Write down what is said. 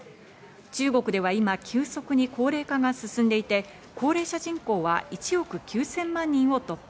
中国では今、急速に高齢化が進んでいて、高齢者人口は１億９０００万人を突破。